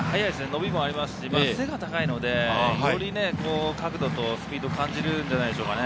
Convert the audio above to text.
伸びもありますし、背も高いので伸びとスピードをより感じるんじゃないでしょうか。